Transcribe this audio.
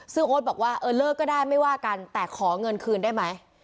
ซึ่งโอ๊ตบอกว่าเออเลิกก็ได้ไม่ว่ากันแต่ขอเงินคืนได้ไหม